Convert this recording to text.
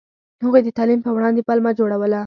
هغوی د تعلیم په وړاندې پلمه جوړوله.